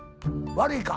悪いか？